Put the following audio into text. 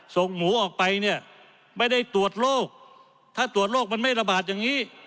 ส่งหมูออกไปเนี่ยไม่ได้ตรวจโรคถ้าตรวจโรคมันไม่ระบาดอย่างนี้